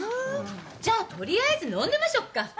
じゃあ取りあえず飲んでましょっか。